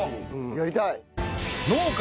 やりたい！